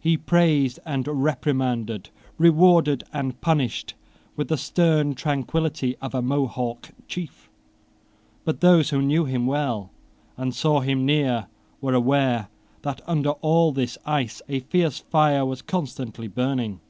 He praised and reprimanded, rewarded and punished, with the stern tranquillity of a Mohawk chief: but those who knew him well and saw him near were aware that under all this ice a fierce fire was constantly burning.